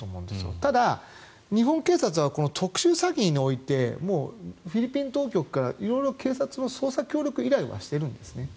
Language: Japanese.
ただ、日本警察はこの事件においてフィリピン当局から捜査協力依頼はしているんですね。